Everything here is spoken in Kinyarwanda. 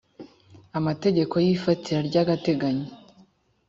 amategeko y ifatira ry agateganyo